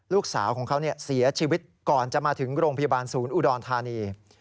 ลูกสาวของเขาเสียชีวิตก่อนจะมาถึงโรงพยาบาลศูนย์อุดรธานี